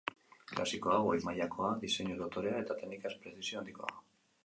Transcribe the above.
Klasikoa, goi mailakoa, diseinuz dotorea, eta teknikaz prezisio handikoa.